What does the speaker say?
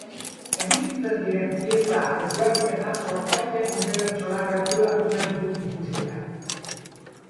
Emititzen diren pieza ezberdinetan sortzaileen unibertsora gerturatu nahi du ikuslea.